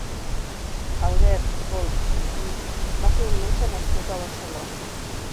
Albert Folch i Pi va ser un metge nascut a Barcelona.